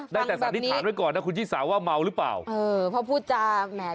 ได้แต่สันนิษฐานไว้ก่อนนะคุณชิสาว่าเมาหรือเปล่าเออเพราะพูดจากแหม